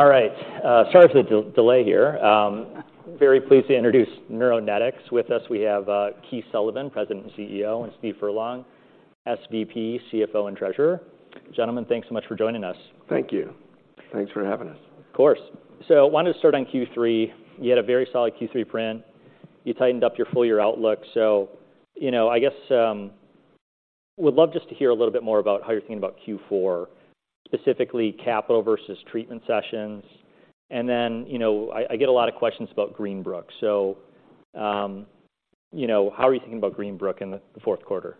All right, sorry for the delay here. Very pleased to introduce Neuronetics. With us, we have Keith Sullivan, President and CEO, and Steve Furlong, SVP, CFO, and Treasurer. Gentlemen, thanks so much for joining us. Thank you. Thanks for having us. Of course. So I wanted to start on Q3. You had a very solid Q3 print. You tightened up your full year outlook. So, you know, I guess, would love just to hear a little bit more about how you're thinking about Q4, specifically capital versus treatment sessions. And then, you know, I, I get a lot of questions about Greenbrook. So, you know, how are you thinking about Greenbrook in the fourth quarter?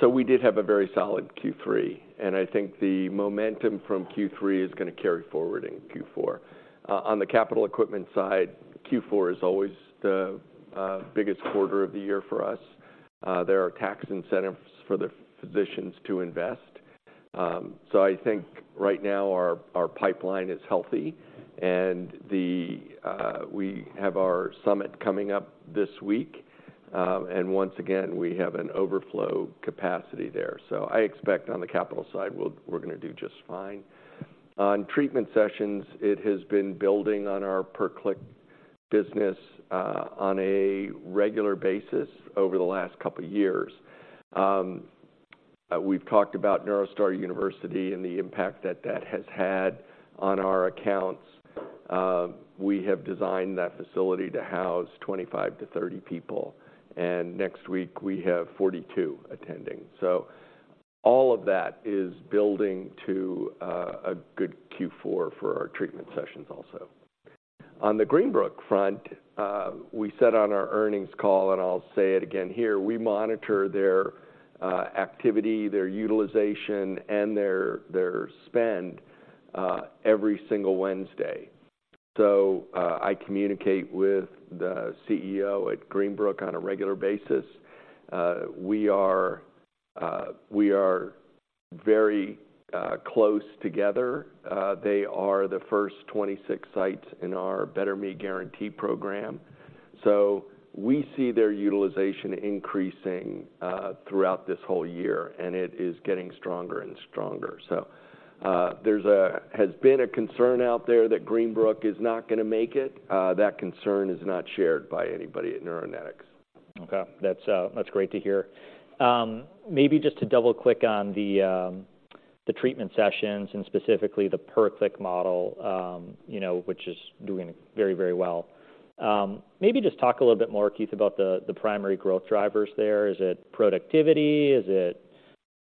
So we did have a very solid Q3, and I think the momentum from Q3 is gonna carry forward in Q4. On the capital equipment side, Q4 is always the biggest quarter of the year for us. There are tax incentives for the physicians to invest. So I think right now our pipeline is healthy and we have our summit coming up this week, and once again, we have an overflow capacity there. So I expect on the capital side, we'll do just fine. On treatment sessions, it has been building on our per-click business on a regular basis over the last couple of years. We've talked about NeuroStar University and the impact that that has had on our accounts. We have designed that facility to house 25-30 people, and next week we have 42 attending. So all of that is building to a good Q4 for our treatment sessions also. On the Greenbrook front, we said on our earnings call, and I'll say it again here: we monitor their activity, their utilization, and their spend every single Wednesday. So, I communicate with the CEO at Greenbrook on a regular basis. We are very close together. They are the first 26 sites in our Better Me Guarantee program. So we see their utilization increasing throughout this whole year, and it is getting stronger and stronger. So, there's been a concern out there that Greenbrook is not gonna make it. That concern is not shared by anybody at Neuronetics. Okay. That's, that's great to hear. Maybe just to double-click on the, the treatment sessions and specifically the per-click model, you know, which is doing very, very well. Maybe just talk a little bit more, Keith, about the, the primary growth drivers there. Is it productivity? Is it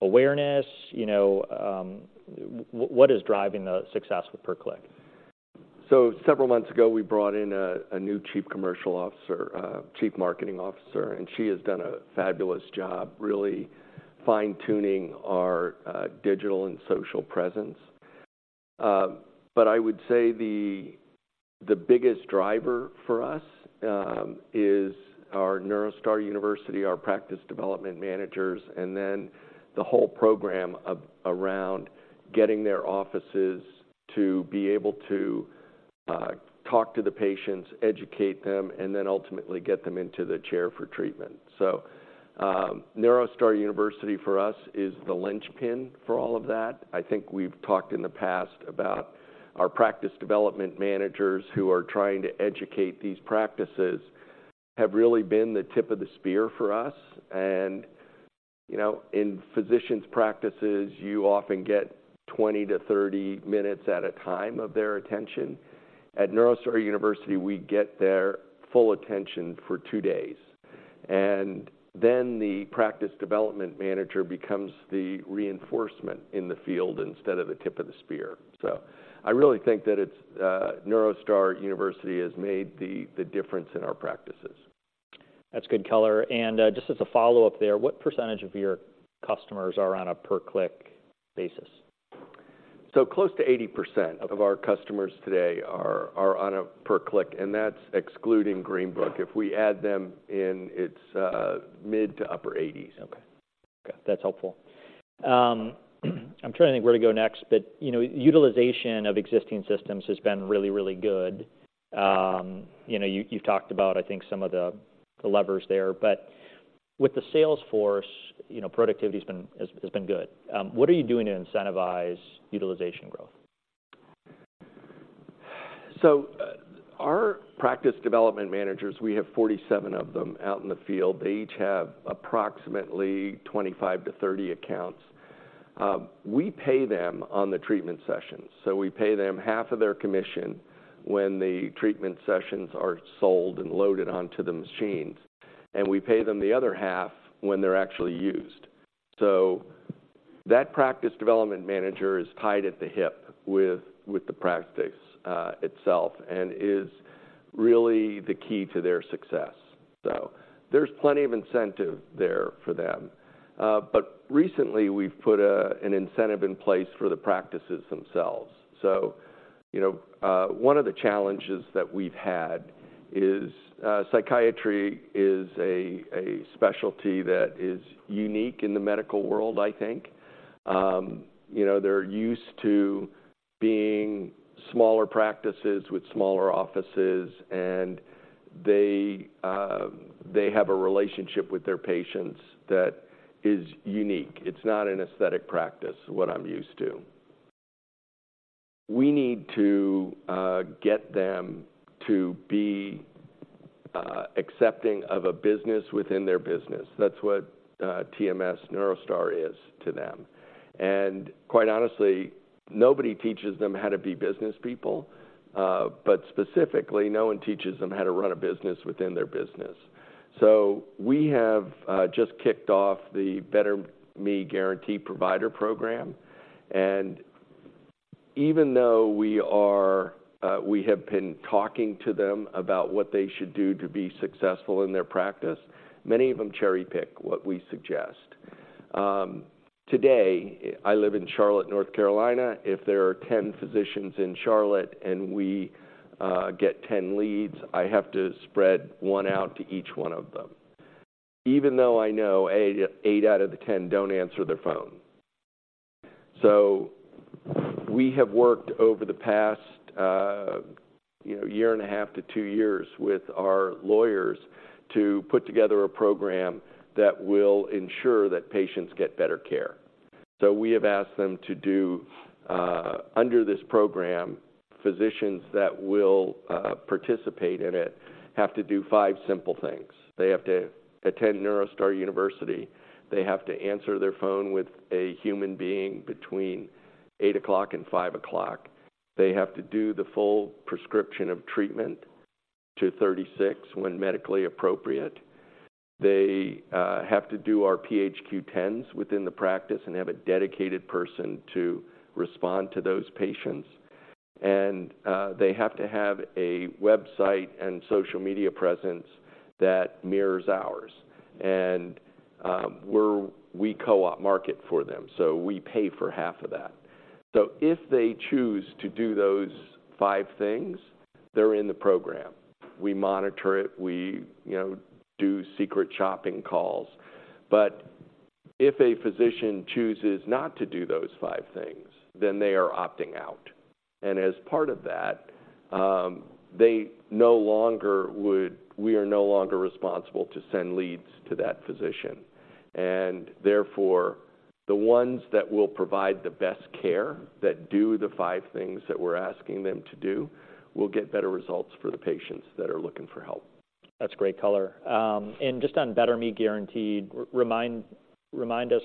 awareness? You know, what is driving the success with per-click? So several months ago, we brought in a new chief commercial officer, chief marketing officer, and she has done a fabulous job really fine-tuning our digital and social presence. But I would say the biggest driver for us is our NeuroStar University, our practice development managers, and then the whole program around getting their offices to be able to talk to the patients, educate them, and then ultimately get them into the chair for treatment. So, NeuroStar University, for us, is the linchpin for all of that. I think we've talked in the past about our practice development managers, who are trying to educate these practices, have really been the tip of the spear for us. And, you know, in physicians' practices, you often get 20-30 minutes at a time of their attention. At NeuroStar University, we get their full attention for two days, and then the practice development manager becomes the reinforcement in the field instead of the tip of the spear. So I really think that it's NeuroStar University has made the difference in our practices. That's good color. And, just as a follow-up there, what percentage of your customers are on a per-click basis? So close to 80% of our customers today are on a per-click, and that's excluding Greenbrook. If we add them in, it's mid- to upper 80s. Okay. Okay, that's helpful. I'm trying to think where to go next, but, you know, utilization of existing systems has been really, really good. You know, you've talked about, I think, some of the levers there, but with the sales force, you know, productivity has been good. What are you doing to incentivize utilization growth? So, our practice development managers, we have 47 of them out in the field. They each have approximately 25-30 accounts. We pay them on the treatment sessions, so we pay them half of their commission when the treatment sessions are sold and loaded onto the machines, and we pay them the other half when they're actually used. So that practice development manager is tied at the hip with the practice itself and is really the key to their success. So there's plenty of incentive there for them. But recently, we've put an incentive in place for the practices themselves. So, you know, one of the challenges that we've had is, psychiatry is a specialty that is unique in the medical world, I think. You know, they're used to-... being smaller practices with smaller offices, and they, they have a relationship with their patients that is unique. It's not an aesthetic practice, what I'm used to. We need to, get them to be, accepting of a business within their business. That's what, TMS NeuroStar is to them. And quite honestly, nobody teaches them how to be businesspeople, but specifically, no one teaches them how to run a business within their business. So we have, just kicked off the Better Me Guarantee Provider Program, and even though we are, we have been talking to them about what they should do to be successful in their practice, many of them cherry-pick what we suggest. Today, I live in Charlotte, North Carolina. If there are 10 physicians in Charlotte and we get 10 leads, I have to spread one out to each one of them, even though I know eight out of the 10 don't answer their phone. So we have worked over the past, you know, year and a half to two years with our lawyers to put together a program that will ensure that patients get better care. So we have asked them to do... Under this program, physicians that will participate in it have to do five simple things. They have to attend NeuroStar University. They have to answer their phone with a human being between 8:00 A.M. and 5:00 P.M. They have to do the full prescription of treatment to 36 when medically appropriate. They have to do our PHQ-9s within the practice and have a dedicated person to respond to those patients. They have to have a website and social media presence that mirrors ours. We co-op market for them, so we pay for half of that. So if they choose to do those five things, they're in the program. We monitor it. We, you know, do secret shopping calls. But if a physician chooses not to do those five things, then they are opting out. And as part of that, we are no longer responsible to send leads to that physician. And therefore, the ones that will provide the best care, that do the five things that we're asking them to do, will get better results for the patients that are looking for help. That's great color. And just on Better Me Guarantee, remind us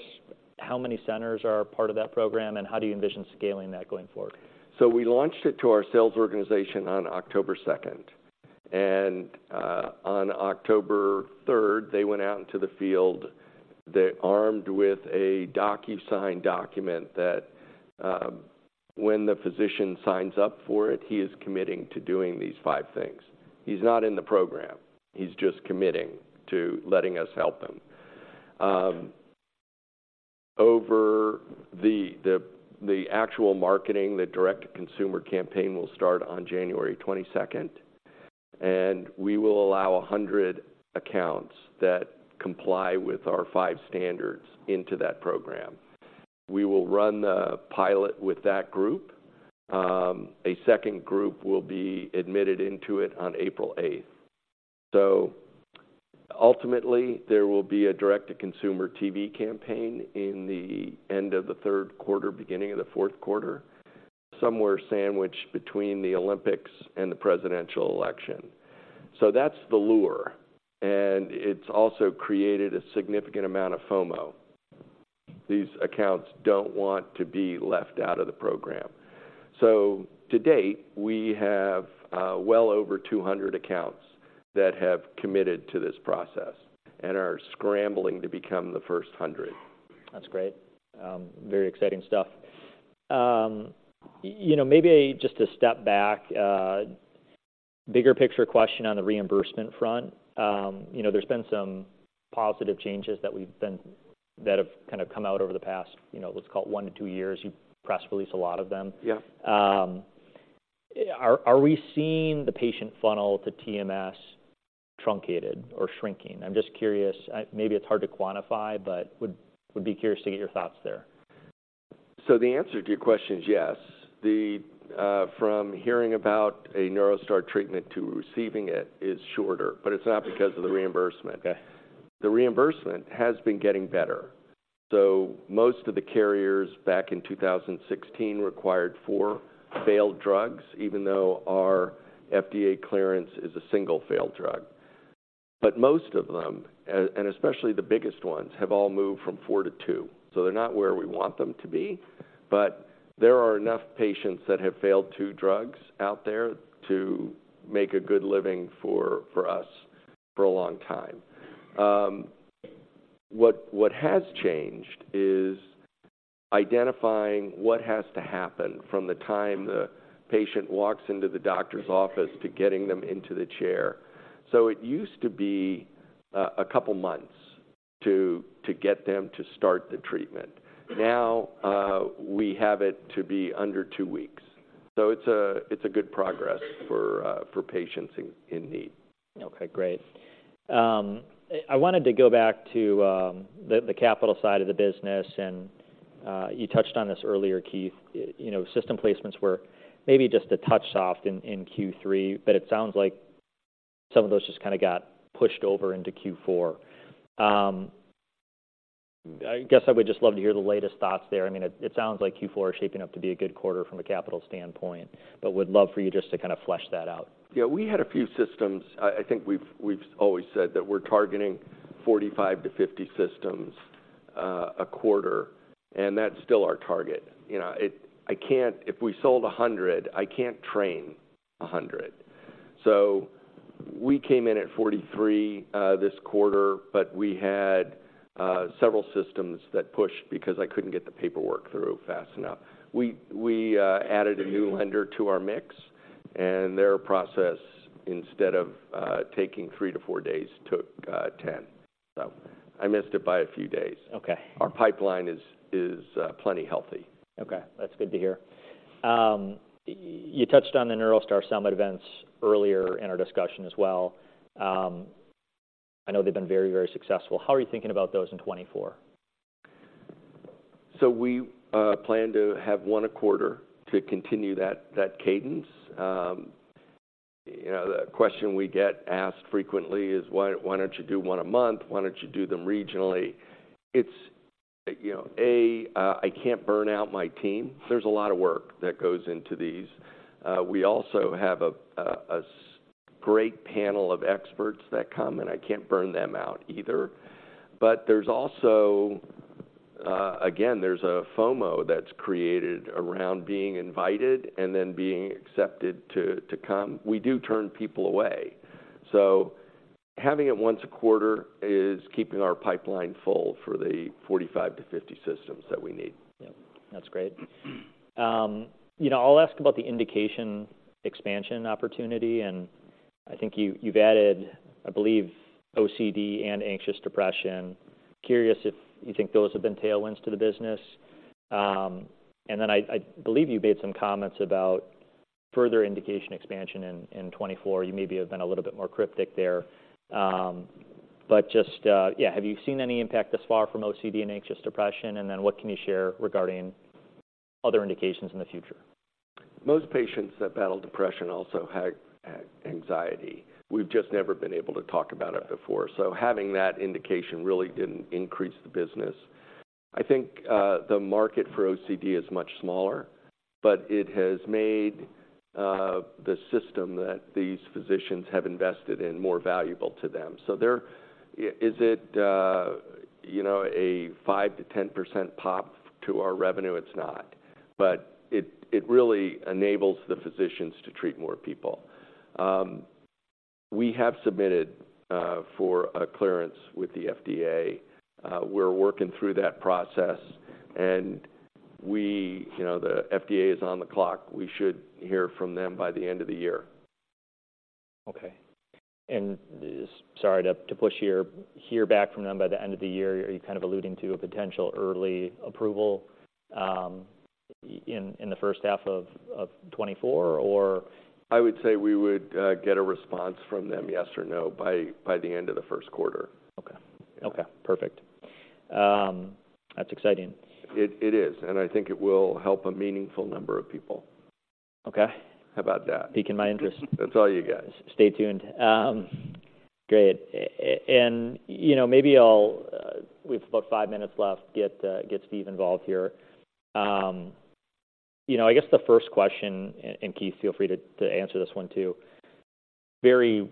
how many centers are part of that program, and how do you envision scaling that going forward? So we launched it to our sales organization on October 2nd, and on October 3rd, they went out into the field. They armed with a DocuSign document that, when the physician signs up for it, he is committing to doing these five things. He's not in the program. He's just committing to letting us help him. Over the actual marketing, the direct-to-consumer campaign will start on January 22, and we will allow 100 accounts that comply with our five standards into that program. We will run the pilot with that group. A second group will be admitted into it on April 8. So ultimately, there will be a direct-to-consumer TV campaign in the end of the third quarter, beginning of the fourth quarter, somewhere sandwiched between the Olympics and the presidential election. So that's the lure, and it's also created a significant amount of FOMO. These accounts don't want to be left out of the program. So to date, we have well over 200 accounts that have committed to this process and are scrambling to become the first 100. That's great. Very exciting stuff. You know, maybe just a step back, bigger picture question on the reimbursement front. You know, there's been some positive changes that have kind of come out over the past, you know, let's call it 1-2 years. You press released a lot of them. Yeah. Are we seeing the patient funnel to TMS truncated or shrinking? I'm just curious. Maybe it's hard to quantify, but would be curious to get your thoughts there. So the answer to your question is yes. From hearing about a NeuroStar treatment to receiving it is shorter, but it's not because of the reimbursement. Okay. The reimbursement has been getting better. So most of the carriers back in 2016 required four failed drugs, even though our FDA clearance is a single failed drug. But most of them and especially the biggest ones have all moved from four to two. So they're not where we want them to be, but there are enough patients that have failed two drugs out there to make a good living for us for a long time. What has changed is identifying what has to happen from the time the patient walks into the doctor's office to getting them into the chair. So it used to be a couple of months to get them to start the treatment. Now we have it to be under two weeks. So it's a good progress for patients in need. Okay, great. I wanted to go back to the capital side of the business, and you touched on this earlier, Keith. You know, system placements were maybe just a touch soft in Q3, but it sounds like some of those just kind of got pushed over into Q4. I guess I would just love to hear the latest thoughts there. I mean, it sounds like Q4 is shaping up to be a good quarter from a capital standpoint, but would love for you just to kind of flesh that out. Yeah, we had a few systems. I think we've always said that we're targeting 45-50 systems a quarter, and that's still our target. You know, it. I can't. If we sold 100, I can't train 100. So we came in at 43 this quarter, but we had several systems that pushed because I couldn't get the paperwork through fast enough. We added a new lender to our mix, and their process, instead of taking 3-4 days, took 10. So I missed it by a few days. Okay. Our pipeline is plenty healthy. Okay, that's good to hear. You touched on the NeuroStar Summit events earlier in our discussion as well. I know they've been very, very successful. How are you thinking about those in 2024? So we plan to have one a quarter to continue that cadence. You know, the question we get asked frequently is, "Why don't you do one a month? Why don't you do them regionally?" It's, you know, a, I can't burn out my team. There's a lot of work that goes into these. We also have a great panel of experts that come, and I can't burn them out either. But there's also again, there's a FOMO that's created around being invited and then being accepted to come. We do turn people away, so having it once a quarter is keeping our pipeline full for the 45-50 systems that we need. Yeah, that's great. You know, I'll ask about the indication expansion opportunity, and I think you, you've added, I believe, OCD and anxious depression. Curious if you think those have been tailwinds to the business. And then I, I believe you made some comments about further indication expansion in 2024. You maybe have been a little bit more cryptic there. But just, yeah, have you seen any impact thus far from OCD and anxious depression? And then what can you share regarding other indications in the future? Most patients that battle depression also have anxiety. We've just never been able to talk about it before. So having that indication really didn't increase the business. I think the market for OCD is much smaller, but it has made the system that these physicians have invested in more valuable to them. So, is it, you know, a 5%-10% pop to our revenue? It's not. But it really enables the physicians to treat more people. We have submitted for a clearance with the FDA. We're working through that process, and we... You know, the FDA is on the clock. We should hear from them by the end of the year. Okay. And sorry to push here, hear back from them by the end of the year, are you kind of alluding to a potential early approval in the first half of 2024, or? I would say we would get a response from them, yes or no, by the end of the first quarter. Okay. Okay, perfect. That's exciting. It is, and I think it will help a meaningful number of people. Okay. How about that? Piquing my interest. That's all you guys. Stay tuned. Great. And, you know, maybe I'll, with about 5 minutes left, get Steve involved here. You know, I guess the first question, and Keith, feel free to answer this one, too. Very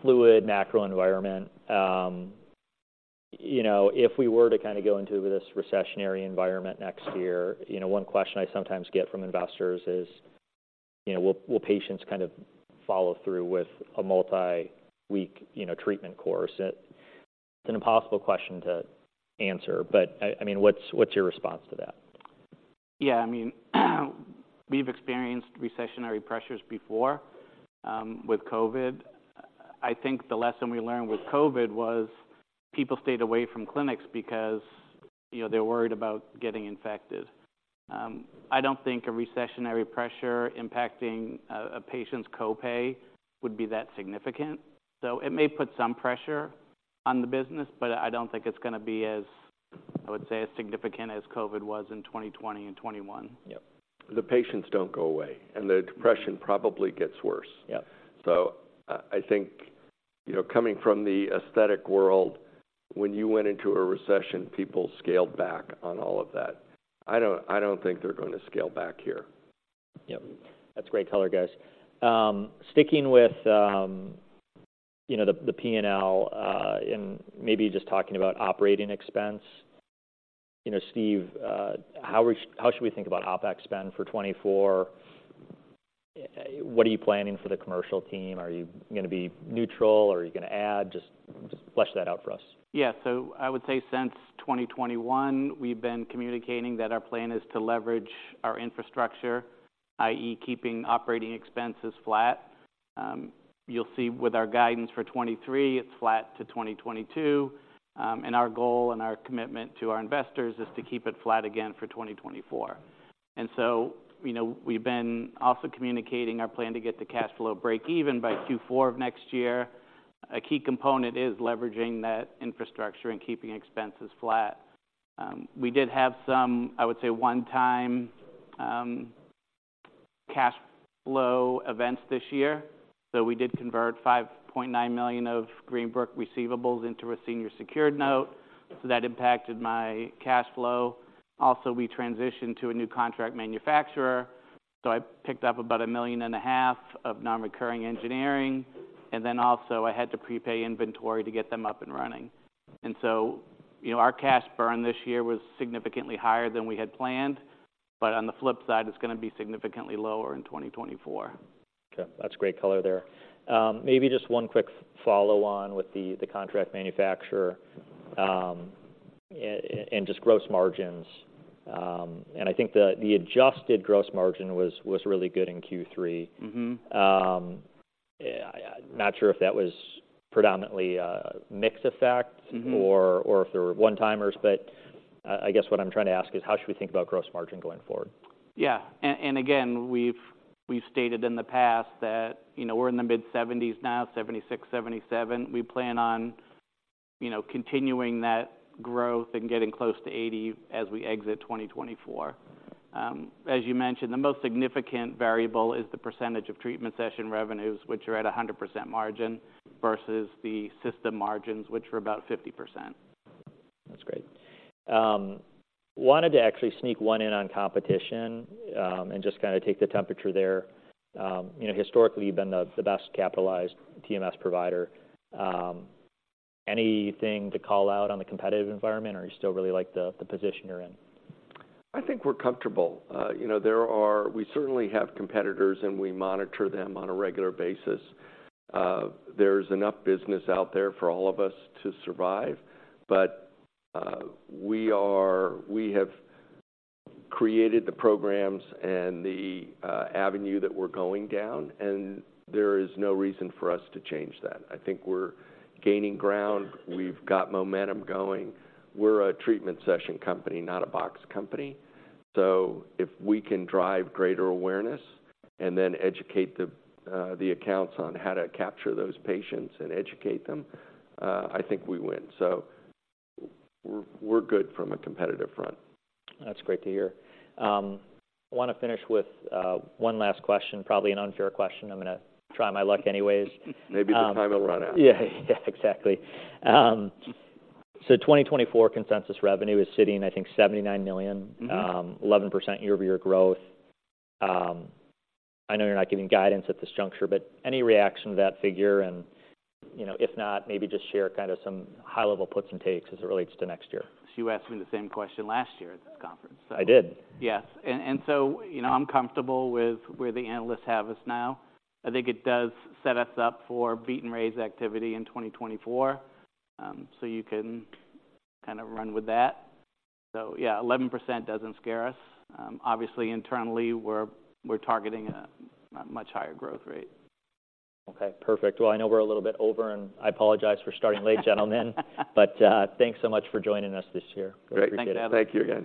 fluid macro environment. You know, if we were to kind of go into this recessionary environment next year, you know, one question I sometimes get from investors is, you know: Will patients kind of follow through with a multi-week, you know, treatment course? It's an impossible question to answer, but I mean, what's your response to that? Yeah, I mean, we've experienced recessionary pressures before, with COVID. I think the lesson we learned with COVID was people stayed away from clinics because, you know, they were worried about getting infected. I don't think a recessionary pressure impacting a patient's copay would be that significant. So it may put some pressure on the business, but I don't think it's gonna be as, I would say, as significant as COVID was in 2020 and 2021. Yep. The patients don't go away, and their depression probably gets worse. Yep. I think, you know, coming from the aesthetic world, when you went into a recession, people scaled back on all of that. I don't think they're going to scale back here. Yep. That's great color, guys. Sticking with, you know, the P&L, and maybe just talking about operating expense. You know, Steve, how are we, how should we think about OpEx spend for 2024? What are you planning for the commercial team? Are you gonna be neutral, or are you gonna add? Just flesh that out for us. Yeah. So I would say since 2021, we've been communicating that our plan is to leverage our infrastructure, i.e., keeping operating expenses flat. You'll see with our guidance for 2023, it's flat to 2022. And our goal and our commitment to our investors is to keep it flat again for 2024. And so, you know, we've been also communicating our plan to get to cash flow breakeven by Q4 of next year. A key component is leveraging that infrastructure and keeping expenses flat. We did have some, I would say, one-time, cash flow events this year. So we did convert $5.9 million of Greenbrook receivables into a senior secured note, so that impacted my cash flow. Also, we transitioned to a new contract manufacturer, so I picked up about $1.5 million of non-recurring engineering, and then also I had to prepay inventory to get them up and running. And so, you know, our cash burn this year was significantly higher than we had planned, but on the flip side, it's gonna be significantly lower in 2024. Okay, that's great color there. Maybe just one quick follow-on with the contract manufacturer, and just gross margins. I think the adjusted gross margin was really good in Q3. Mm-hmm. Yeah, not sure if that was predominantly a mix effect- Mm-hmm... or if there were one-timers. But, I guess what I'm trying to ask is: how should we think about gross margin going forward? Yeah. And again, we've stated in the past that, you know, we're in the mid-70s now, 76, 77. We plan on, you know, continuing that growth and getting close to 80 as we exit 2024. As you mentioned, the most significant variable is the percentage of treatment session revenues, which are at a 100% margin, versus the system margins, which are about 50%. That's great. Wanted to actually sneak one in on competition, and just kinda take the temperature there. You know, historically, you've been the best capitalized TMS provider. Anything to call out on the competitive environment, or are you still really like the position you're in? I think we're comfortable. You know, we certainly have competitors, and we monitor them on a regular basis. There's enough business out there for all of us to survive, but we have created the programs and the avenue that we're going down, and there is no reason for us to change that. I think we're gaining ground. We've got momentum going. We're a treatment session company, not a box company, so if we can drive greater awareness and then educate the accounts on how to capture those patients and educate them, I think we win. So we're good from a competitive front. That's great to hear. I wanna finish with, one last question, probably an unfair question. I'm gonna try my luck anyways. Maybe the time will run out. Yeah. Yeah, exactly. So 2024 consensus revenue is sitting, I think, $79 million. Mm-hmm. 11% year-over-year growth. I know you're not giving guidance at this juncture, but any reaction to that figure? And, you know, if not, maybe just share kind of some high-level puts and takes as it relates to next year. You asked me the same question last year at this conference, so- I did. Yes. And so, you know, I'm comfortable with where the analysts have us now. I think it does set us up for beat and raise activity in 2024. So you can kind of run with that. So yeah, 11% doesn't scare us. Obviously, internally, we're targeting a much higher growth rate. Okay, perfect. Well, I know we're a little bit over, and I apologize for starting late, gentlemen. But, thanks so much for joining us this year. Great. Thank you. Thank you, guys.